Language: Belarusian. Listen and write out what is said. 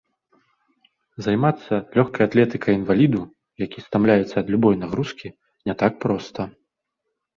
Займацца лёгкай атлетыкай інваліду, які стамляецца ад любой нагрузкі, не так проста.